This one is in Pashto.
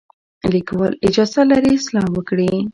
لیکوال اجازه لري اصلاح وکړي.